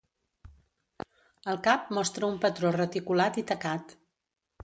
El cap mostra un patró reticulat i tacat.